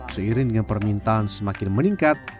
seiring dengan permintaan semakin meningkat